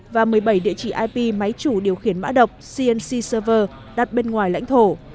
và một mươi bảy địa chỉ ip máy chủ điều khiển mã độc cnc server đặt bên ngoài lãnh thổ